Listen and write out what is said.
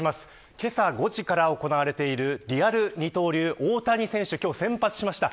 けさ５時から行われているリアル二刀流大谷選手、今日先発しました。